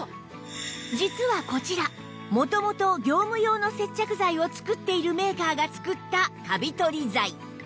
実はこちら元々業務用の接着剤を作っているメーカーが作ったカビ取り剤